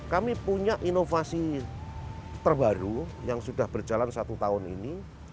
kami punya inovasi terbaru yang sudah berjalan satu tahun ini